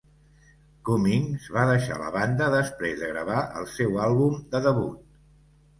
Cummings va deixar la banda després de gravar el seu àlbum de debut.